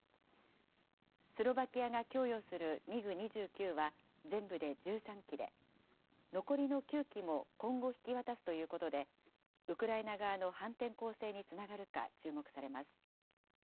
スロバキアが供与するミグ２９は全部で１３機で、残りの９機も今後引き渡すということでウクライナ側の反転攻勢につながるか注目されます。